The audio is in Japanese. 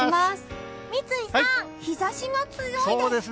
三井さん、日差しが強いです。